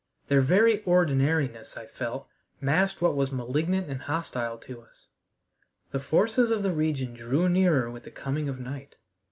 Their very ordinariness, I felt, masked what was malignant and hostile to us. The forces of the region drew nearer with the coming of night.